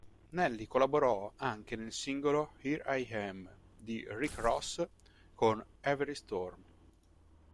Nelly collaborò anche nel singolo "Here I Am" di Rick Ross con Avery Storm.